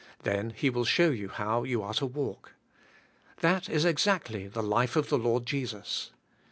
Then He will show you how you are to walk. That is exactly the life of the Lord Jesus.